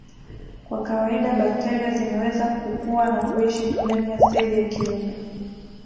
Kwa kawaida bakteria zinaweza kukua na kuishi tu ndani ya seli ya kiumbe